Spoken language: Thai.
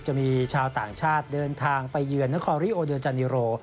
จะมีชาวต่างชาติเดินทางไปเยือนนครริโอเดอร์จานิโร